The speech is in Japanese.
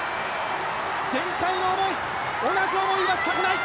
前回の思い、同じ思いはしたくない！